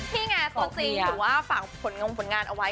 นี่ไงตัวจริงถือว่าฝากผลงผลงานเอาไว้